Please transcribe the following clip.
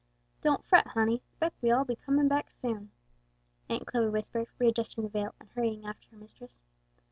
"Don't fret, honey, 'spect we all be comin' back soon," Aunt Chloe whispered, readjusting the veil, and hurrying after her mistress.